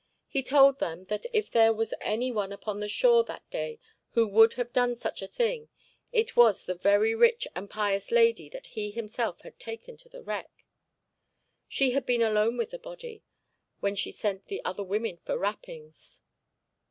He told them that if there was any one upon the shore that day who would have done such a thing it was the very rich and pious lady that he himself had taken to the wreck. She had been alone with the body when she sent the other women for wrappings.